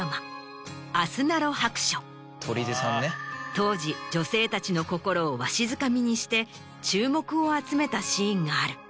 当時女性たちの心をわしづかみにして注目を集めたシーンがある。